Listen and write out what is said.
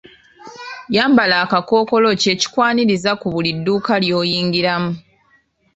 Yambala akakkookolo kye kikwaniriza ku buli dduuka ly'oyingiramu .